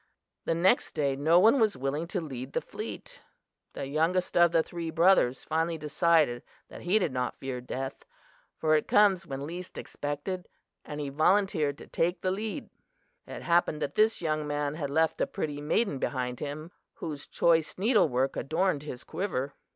The next day no one was willing to lead the fleet. The youngest of the three brothers finally declared that he did not fear death, for it comes when least expected and he volunteered to take the lead. "It happened that this young man had left a pretty maiden behind him, whose choice needlework adorned his quiver.